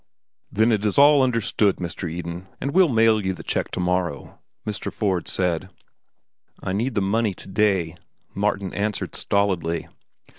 "Then it is understood, Mr. Eden, that we'll mail you the check to morrow?" Mr. Ford said. "I need the money to day," Martin answered stolidly.